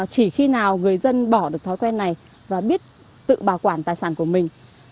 chỉ khi nào người dân bỏ được thói quen này và biết tự bảo quản tài sản của mình